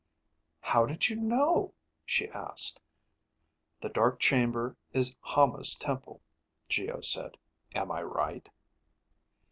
_" "How did you know?" she asked. "The dark chamber is Hama's temple," Geo said. "Am I right?"